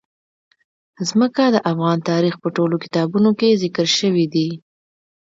ځمکه د افغان تاریخ په ټولو کتابونو کې ذکر شوی دي.